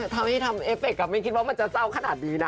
ทำให้ทำเอฟเฟคไม่คิดว่ามันจะเศร้าขนาดนี้นะ